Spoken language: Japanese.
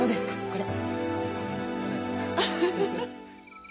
これ。